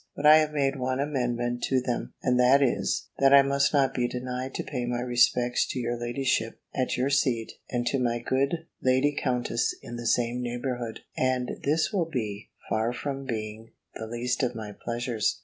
But I have made one amendment to them; and that is, that I must not be denied to pay my respects to your ladyship, at your seat, and to my good Lady Countess in the same neighbourhood, and this will be far from being the least of my pleasures.